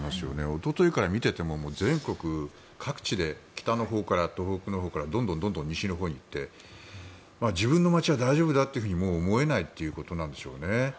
おとといから見ていても全国各地で北のほうから東北のほうからどんどん西のほうに行って自分の街は大丈夫だってもう思えないということなんでしょうね。